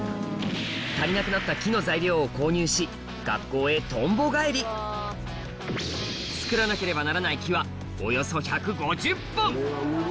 足りなくなった木の作らなければならない木はおよそ１５０本！